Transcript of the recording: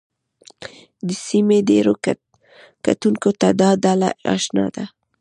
د سیمې ډېرو کتونکو ته دا ډله اشنا ده